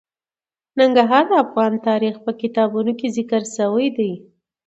ننګرهار د افغان تاریخ په کتابونو کې ذکر شوی دي.